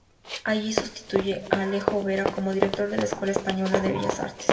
Allí sustituye a Alejo Vera como director de la Escuela Española de Bellas Artes.